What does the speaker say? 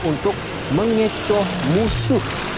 untuk mengecoh musuh